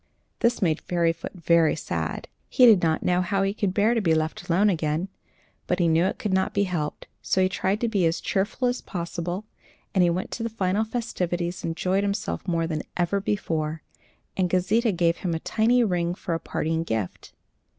This made Fairyfoot very sad. He did not know how he could bear to be left alone again, but he knew it could not be helped; so he tried to be as cheerful as possible, and he went to the final festivities, and enjoyed himself more than ever before, and Gauzita gave him a tiny ring for a parting gift.